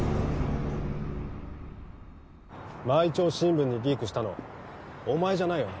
毎朝新聞にリークしたのお前じゃないよな？